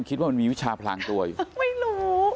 คิดว่ามันมีวิชาพลางตัวอีกไม่รู้